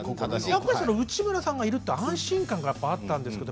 内村さんがいるって安心感があったんですけど